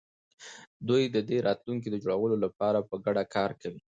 دوی د دې راتلونکي د جوړولو لپاره په ګډه کار کوي.